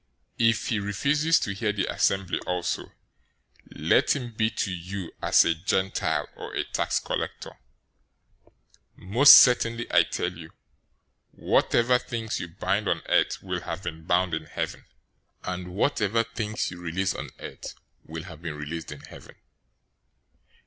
If he refuses to hear the assembly also, let him be to you as a Gentile or a tax collector. 018:018 Most certainly I tell you, whatever things you bind on earth will have been bound in heaven, and whatever things you release on earth will have been released in heaven.